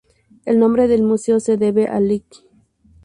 El nombre del museo se debe al Lic.